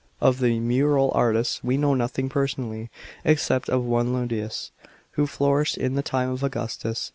587 Of the mural artists we know nothing personally, except of one LiuUns,* who flourished in the time of Augustus.